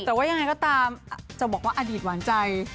แต่ว่ายังไงก็ตามจะบอกว่าอดีตหวานใจ